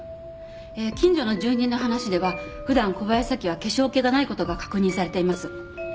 近所の住人の話では普段小林早紀は化粧っけがない事が確認されています。